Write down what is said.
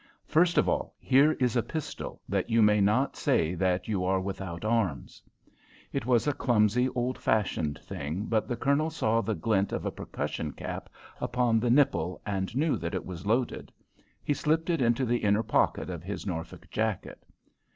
First of all, here is a pistol, that you may not say that you are without arms." It was a clumsy, old fashioned thing, but the Colonel saw the glint of a percussion cap upon the nipple, and knew that it was loaded. He slipped it into the inner pocket of his Norfolk jacket.